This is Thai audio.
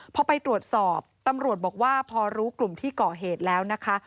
พอไปตรวจสอบตำรวจบอกว่าพอรู้กลุ่มที่ก่อเหตุแล้วนะคะ